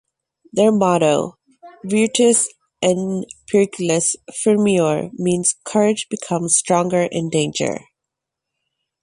Their motto "Virtus in periculis firmior" means "Courage becomes stronger in danger".